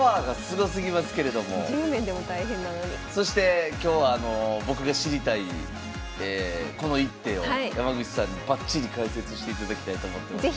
そして今日は僕が知りたい「この一手」を山口さんにバッチリ解説していただきたいと思ってますので。